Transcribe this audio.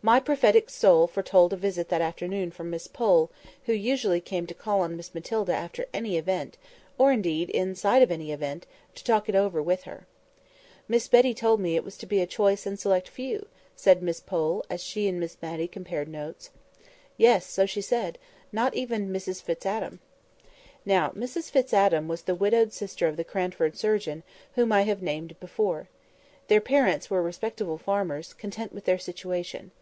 My prophetic soul foretold a visit that afternoon from Miss Pole, who usually came to call on Miss Matilda after any event—or indeed in sight of any event—to talk it over with her. "Miss Betty told me it was to be a choice and select few," said Miss Pole, as she and Miss Matty compared notes. "Yes, so she said. Not even Mrs Fitz Adam." Now Mrs Fitz Adam was the widowed sister of the Cranford surgeon, whom I have named before. Their parents were respectable farmers, content with their station.